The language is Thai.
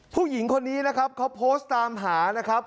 ผู้หญิงคนนี้นะครับเขาโพสต์ตามหานะครับ